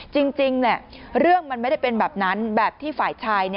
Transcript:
จริงเรื่องมันไม่ได้เป็นแบบนั้นแบบที่ฝ่ายชาย